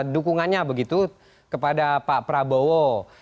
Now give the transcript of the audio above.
dukungannya begitu kepada pak prabowo